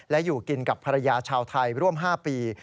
และอยู่กินกับภรรยาชาวไทยร่วม๕ปี